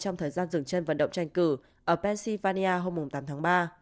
trong thời gian dừng chân vận động tranh cử ở pennsylvania hôm tám tháng ba